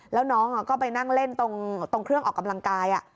แล้วน้องก็ไปนั่งเล่นตรงเครื่องออกกำลังกาย